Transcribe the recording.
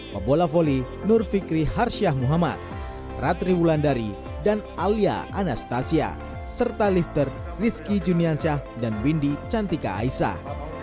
pembola volley nur fikri harsyah muhammad ratri wulandari dan alia anastasia serta lifter rizki juniansyah dan windy cantika aisyah